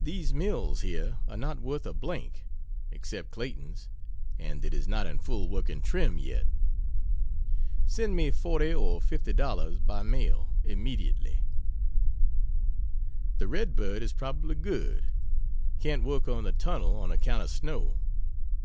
These mills here are not worth a d n except Clayton's and it is not in full working trim yet. Send me $40 or $50 by mail immediately. The Red Bird is probably good can't work on the tunnel on account of snow.